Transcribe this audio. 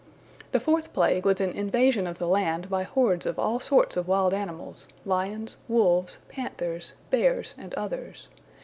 The fourth plague was an invasion of the land by hordes of all sorts of wild animals, lions, wolves, panthers, bears, and others.